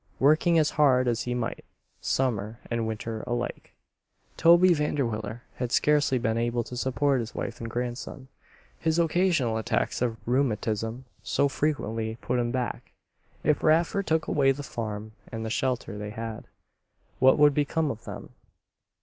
Working as hard as he might, summer and winter alike, Toby Vanderwiller had scarcely been able to support his wife and grandson. His occasional attacks of rheumatism so frequently put him back. If Raffer took away the farm and the shelter they had, what would become of them?